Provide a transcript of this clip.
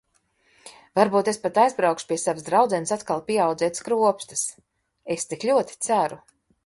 Varbūt es pat aizbraukšu pie savas draudzenes atkal pieaudzēt skropstas... Es tik ļoti ceru!